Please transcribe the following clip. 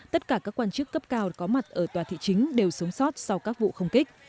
tất cả các quan chức cấp cao có mặt ở tòa thị chính đều sống sót sau các vụ không kích